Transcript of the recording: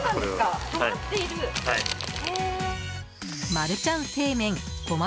マルちゃん正麺ごま